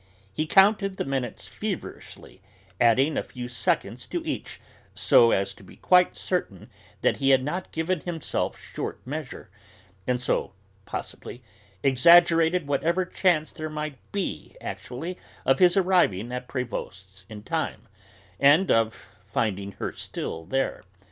He counted the minutes feverishly, adding a few seconds to each so as to be quite certain that he had not given himself short measure, and so, possibly, exaggerated whatever chance there might actually be of his arriving at Prévost's in time, and of finding her still there.